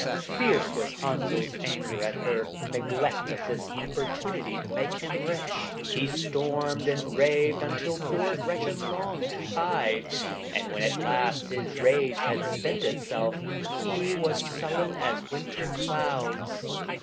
Fierce was Henzel's anger at her neglect of this opportunity to make him rich. He stormed and raved until poor Gretchen longed to hide, and when at last his rage had spent itself, he was sullen as winter clouds.